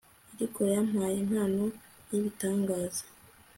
Ariko yambaye impano yibitangaza